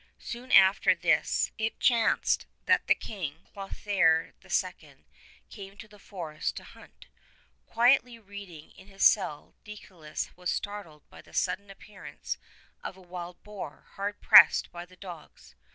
Soon after this it chanced that the King, Clothaire II., came to the forest to hunt. Quietly reading in his cell Dei colus was startled by the sudden appearance of a wild boar hard pressed by dogs.